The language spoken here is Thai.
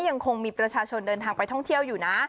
ยังคงมีประชาชนเดินทางไปท่องเที่ยวอยู่นะ